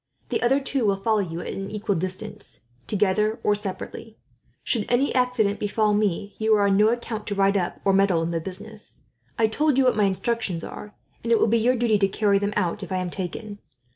The other two will follow you at an equal distance, together or separately. "Should any accident befall me, you are on no account to ride up, or to meddle in the business. I have told you what my instructions are, and it will be your duty to carry them out, if I am taken.